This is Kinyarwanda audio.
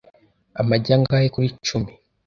Amagi angahe kuri cumi?